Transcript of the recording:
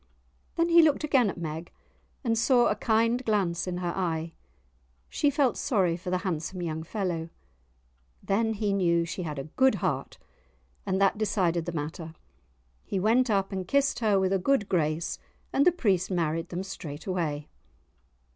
Then he looked again at Meg and saw a kind glance in her eye; she felt sorry for the handsome young fellow. Then he knew she had a good heart, and that decided the matter; he went up and kissed her with a good grace, and the priest married them straight away.